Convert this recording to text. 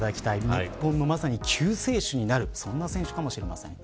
日本のまさに救世主になるそんな選手かもしれません。